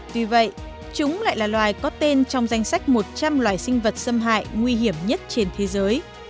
vì vậy chúng lại là loài có tên trong danh sách một trăm linh loài sinh vật xâm hại nguy hiểm nhất trên thế giới